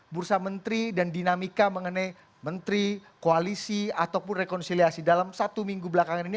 bursa menteri dan dinamika mengenai menteri koalisi ataupun rekonsiliasi dalam satu minggu belakangan ini